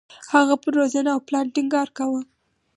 هغه پر روزنه او پلان ټینګار کاوه.